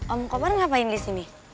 om kobar ngapain disini